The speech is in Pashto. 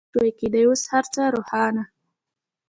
تصور لا نه شوای کېدای، اوس هر څه روښانه.